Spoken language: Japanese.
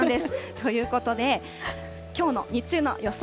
ということで、きょうの日中の予想